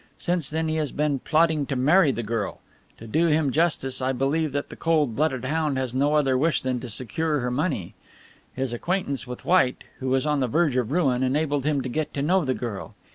Since then he has been plotting to marry the girl. To do him justice, I believe that the cold blooded hound has no other wish than to secure her money. His acquaintance with White, who is on the verge of ruin, enabled him to get to know the girl.